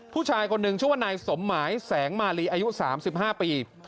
ผู้ชายคนหนึ่งชื่อว่านายสมหมายแสงมาลีอายุ๓๕ปี